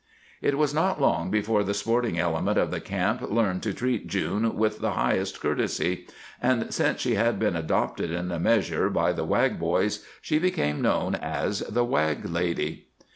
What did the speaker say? It was not long before the sporting element of the camp learned to treat June with the highest courtesy, and, since she had been adopted in a measure by the Wag boys, she became known as the Wag lady.